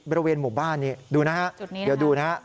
บริเวณหมู่บ้านนี่ดูนะฮะเดี๋ยวดูนะฮะ